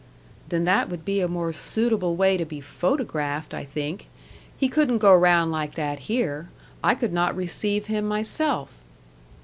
"Then that would be a more suitable way to be photographed, I think. He couldn't go round like that here. I could not receive him myself."